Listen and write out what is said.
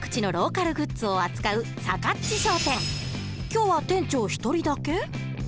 今日は店長１人だけ？